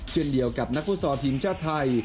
เช่นเดียวกับนักฟุตซอลทีมชาติไทย